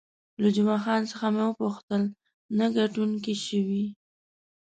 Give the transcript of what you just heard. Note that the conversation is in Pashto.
له جمعه خان څخه مې وپوښتل، ته ګټونکی شوې؟